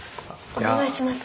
お願いします。